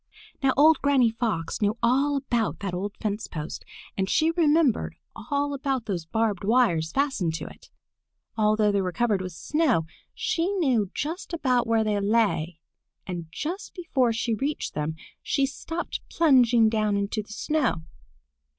Now old Granny Fox knew all about that old fence post and she remembered all about those barbed wires fastened to it. Although they were covered with snow she knew just about where they lay, and just before she reached them she stopped plunging down into the snow.